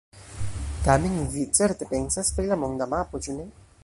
Tamen vi certe pensas pri la monda mapo, ĉu ne?